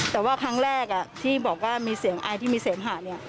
แต่ว่าครั้งแรกที่บอกว่ามีเสียงอายที่มีเสมหาเนี่ย